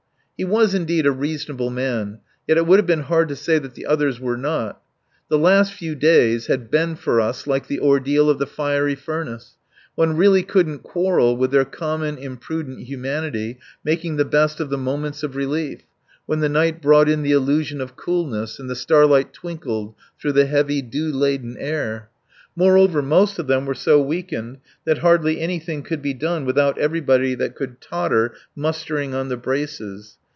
He was, indeed, a reasonable man. Yet it would have been hard to say that the others were not. The last few days had been for us like the ordeal of the fiery furnace. One really couldn't quarrel with their common, imprudent humanity making the best of the moments of relief, when the night brought in the illusion of coolness and the starlight twinkled through the heavy, dew laden air. Moreover, most of them were so weakened that hardly anything could be done without everybody that could totter mustering on the braces.